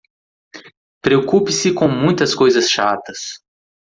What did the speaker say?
Preocupe-se com muitas coisas chatas